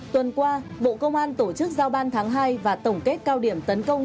tuần qua bộ công an tổ chức giao ban tháng hai và tổng kết cao điểm tấn công